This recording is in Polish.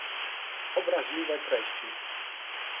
obraźliwe treści